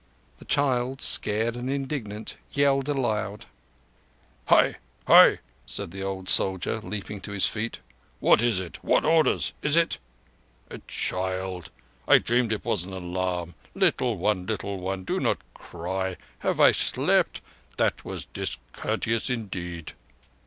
The child, scared and indignant, yelled aloud. "Hai! Hai!" said the soldier, leaping to his feet. "What is it? What orders? ... It is ... a child! I dreamed it was an alarm. Little one—little one—do not cry. Have I slept? That was discourteous indeed!"